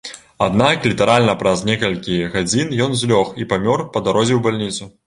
Аднак літаральна праз некалькі гадзін ён злёг і памёр па дарозе ў бальніцу.